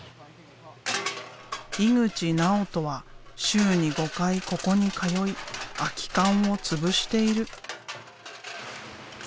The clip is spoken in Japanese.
井口直人は週に５回ここに通い空き缶をつぶしている。